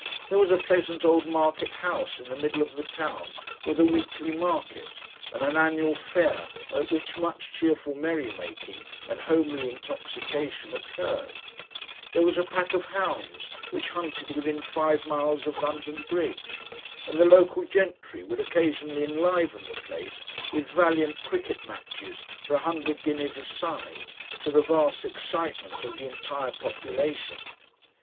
There was a pleasant old market house in the middle of the town with a weekly market, and an annual fair at which much cheerful merry making and homely intoxication occurred; there was a pack of hounds which hunted within five miles of London Bridge, and the local gentry would occasionally enliven the place with valiant cricket matches for a hundred guineas a side, to the vast excitement of the entire population.